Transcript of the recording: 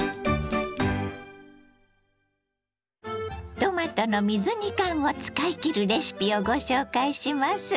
トマトの水煮缶を使いきるレシピをご紹介します。